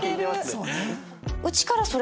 そうね。